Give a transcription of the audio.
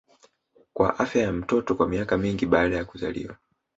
kwa afya ya mtoto kwa miaka mingi baada ya kuzaliwa